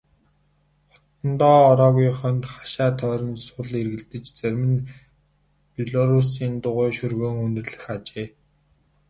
Хотондоо ороогүй хоньд хашаа тойрон сул эргэлдэж зарим нь белоруссын дугуй шөргөөн үнэрлэх ажээ.